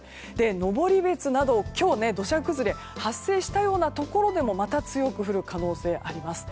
登別など今日、土砂崩れが発生したようなところもまた強く降る可能性があります。